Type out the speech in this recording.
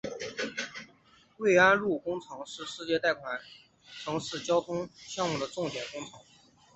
槐安路工程是世界银行贷款城市交通项目的重点工程。